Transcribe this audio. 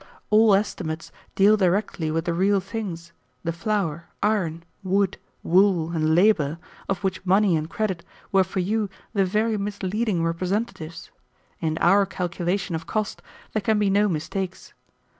All estimates deal directly with the real things, the flour, iron, wood, wool, and labor, of which money and credit were for you the very misleading representatives. In our calculation of cost there can be no mistakes.